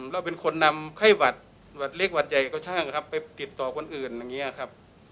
เราเป็นคนนำไข้หวัดเล็กหวัดใหญ่ก็ช่างครับไปติดต่อคนอื่นอย่างนี้ครับ